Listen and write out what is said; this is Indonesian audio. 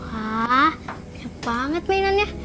wah indah banget mainannya